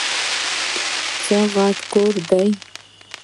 څه غټ کور دی ؟!